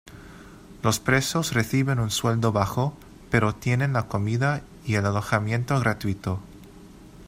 Los presos reciben un sueldo bajo, pero tienen la comida y el alojamiento gratuito.